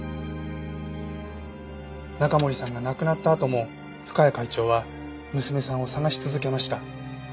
中森さんが亡くなったあとも深谷会長は娘さんを捜し続けました。